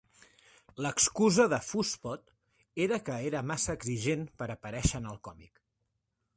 L'excusa de Fuss Pot era que era massa exigent per aparèixer en el còmic.